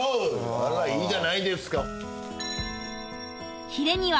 あらいいじゃないですか。